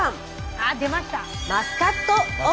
あ出ました！